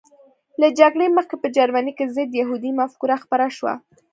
له جګړې مخکې په جرمني کې ضد یهودي مفکوره خپره شوه